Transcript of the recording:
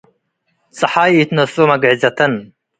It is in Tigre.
ጸሓይ ኢትነስኦ መግዕዘተን